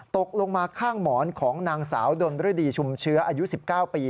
ตกลงมาข้างหมอนของนางสาวดนฤดีชุมเชื้ออายุ๑๙ปี